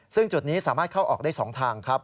ซึ่งจุดนี้สามารถเข้าออกได้๒ทางครับ